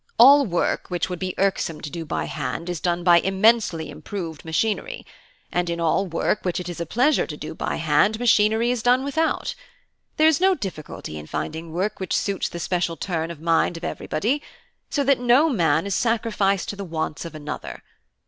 All work which would be irksome to do by hand is done by immensely improved machinery; and in all work which it is a pleasure to do by hand machinery is done without. There is no difficulty in finding work which suits the special turn of mind of everybody; so that no man is sacrificed to the wants of another.